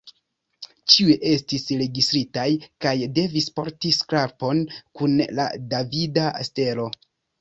Ĉiuj estis registritaj kaj devis porti skarpon kun la davida stelo.